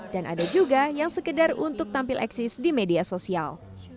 ada juga yang sekedar untuk tampil eksis di media sosial